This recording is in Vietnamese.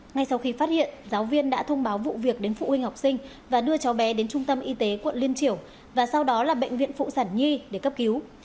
ngay sau khi phát hiện giáo viên đã thông báo vụ việc đến phụ huynh học sinh và đưa cháu bé đến trung tâm y tế quận liên triểu và sau đó là bệnh viện phụ sản nhi để cấp cứu